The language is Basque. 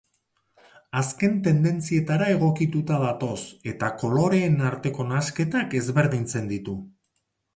Azken tendentzietara egokituta datoz eta koloreen arteko nahasketak ezberdintzen ditu gainerakoetatik.